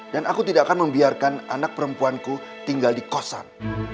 dan aku tidak akan membiarkan anak perempuanku tinggal di kosan